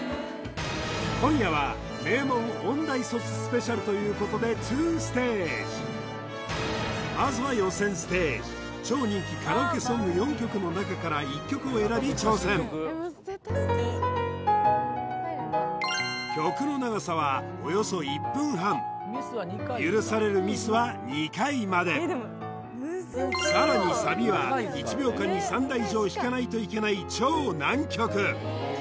今夜は名門音大卒ＳＰということで２ステージまずは予選ステージ超人気カラオケソング４曲の中から１曲を選び挑戦さらにサビは１秒間に３打以上弾かないといけない超難曲